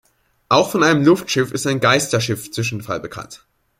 Auch von einem Luftschiff ist ein „Geisterschiff-Zwischenfall“ bekannt.